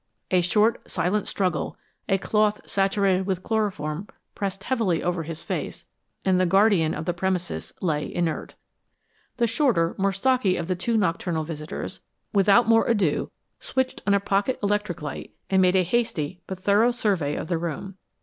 A short, silent struggle, a cloth saturated with chloroform pressed heavily over his face, and the guardian of the premises lay inert. The shorter, more stocky of the two nocturnal visitors, without more ado switched on a pocket electric light and made a hasty but thorough survey of the room.